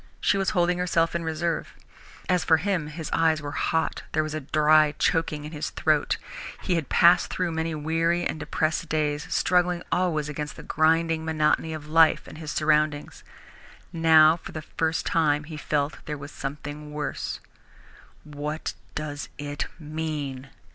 She was holding herself in reserve. As for him, his eyes were hot, there was a dry choking in his throat. He had passed through many weary and depressed days, struggling always against the grinding monotony of life and his surroundings. Now for the first time he felt that there was something worse. "What does it mean?"